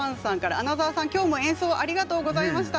穴澤さん、きょうも演奏ありがとうございました。